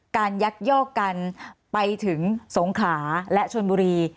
ยักยอกกันไปถึงสงขลาและชนบุรี